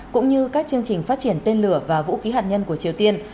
cũng như các chương trình phát triển tên lửa và vũ khí hạt nhân của triều tiên